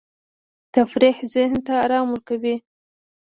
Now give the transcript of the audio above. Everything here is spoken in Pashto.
تفریح ذهن ته آرام ورکوي.